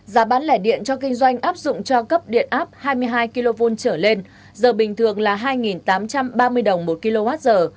giá bán lẻ điện cho kinh doanh áp dụng cho cấp điện áp hai mươi hai kv trở lên giờ bình thường là hai tám trăm ba mươi đồng một kwh